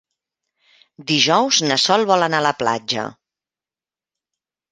Dijous na Sol vol anar a la platja.